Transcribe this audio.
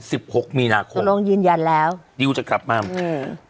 หกมีนาคมคุณลงยืนยันแล้วดิวจะกลับมาอืม